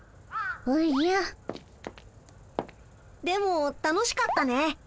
でも楽しかったね。